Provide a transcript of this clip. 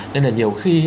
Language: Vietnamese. nên là nhiều khi